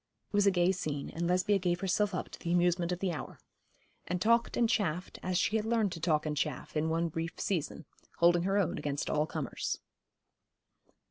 It was a gay scene, and Lesbia gave herself up to the amusement of the hour, and talked and chaffed as she had learned to talk and chaff in one brief season, holding her own against all comers.